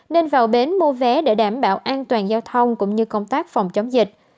nên vào bến mua vé để đảm bảo an toàn giao thông cũng như công tác phòng chống dịch